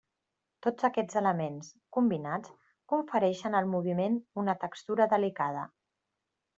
Tots aquests elements, combinats, confereixen al moviment una textura delicada.